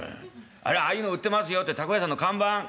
あれああいうの売ってますよって凧屋さんの看板看板。